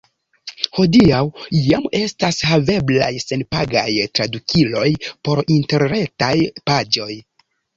Hodiaŭ jam estas haveblaj senpagaj tradukiloj por interretaj paĝoj.